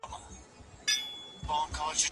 هیڅ هېواد حق نه لري چي پر بل هېواد برید وکړي.